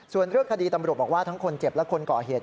ส่วนเรื่องคดีตำรวจบอกว่าทั้งคนเจ็บและคนก่อเหตุ